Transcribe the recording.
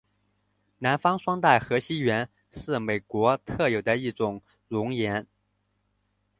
南方双带河溪螈是美国特有的一种蝾螈。